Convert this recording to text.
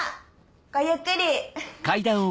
ごゆっくり。